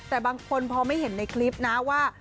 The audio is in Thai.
แต่บางคนพอไม่เห็นในคลิปนะว่า